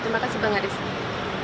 terima kasih bang arief